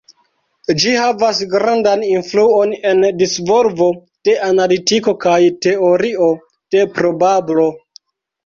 Ĝi havas grandan influon en disvolvo de Analitiko kaj Teorio de probablo.